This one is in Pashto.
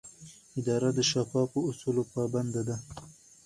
اداره د شفافو اصولو پابنده ده.